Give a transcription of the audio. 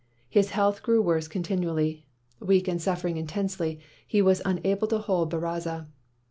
His health grew worse continually. Weak and suffering intensely, he was unable to hold baraza.